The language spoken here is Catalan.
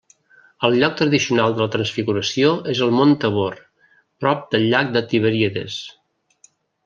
El lloc tradicional de la transfiguració és el mont Tabor, prop del llac de Tiberíades.